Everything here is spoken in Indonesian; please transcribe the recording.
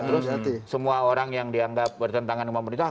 terus semua orang yang dianggap bertentangan dengan pemerintah